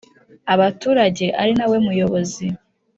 abaturage ari na we Muyobozi